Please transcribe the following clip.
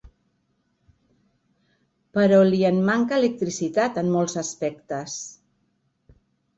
Però li en manca electricitat en molts aspectes.